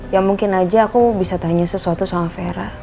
ya mungkin aja aku bisa tanya sesuatu sama vera